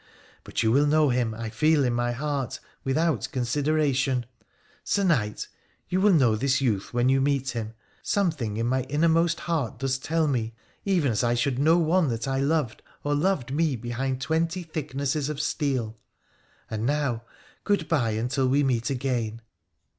But you will know him, I feel in my heart, without consideration. Sir knight, you will know this youth when you meet him, some M 16* WONDERFUL ADVENTURES OF thing in my innermost heart does tell me, even as I should know one that I loved or that loved me behind twenty thick nesses of steel. And now, good bye until we meet again